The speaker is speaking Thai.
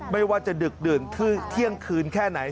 ไม่ว่าจะดึกดื่นเที่ยงคืนแค่ไหน